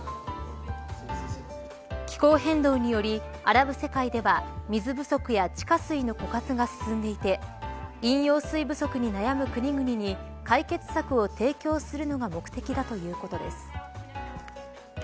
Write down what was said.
気候変動により、アラブ世界では水不足や地下水の枯渇が進んでいて飲用水不足に悩む国々に解決策を提供するのが目的だということです。